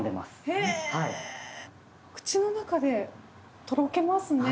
へぇ口の中でとろけますね。